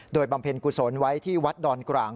โดยบำเพ็ญกุศลไว้ที่วัดดอนกลาง